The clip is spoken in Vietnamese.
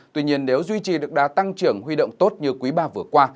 tuy nhiên nếu duy trì được đa tăng trưởng huy động tốt như quý ba vừa qua